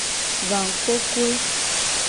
Gangkokoe.